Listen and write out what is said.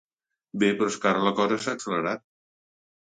Bé, però és que ara la cosa s'ha accelerat.